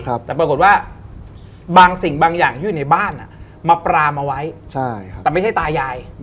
แต่ปรากฏว่าบางสิ่งบางอย่างที่อยู่ในบ้านมาปรามเอาไว้แต่ไม่ใช่ตายาย